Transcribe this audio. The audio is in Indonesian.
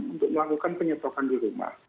untuk melakukan penyetokan di rumah